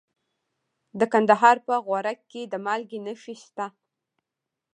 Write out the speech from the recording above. د کندهار په غورک کې د مالګې نښې شته.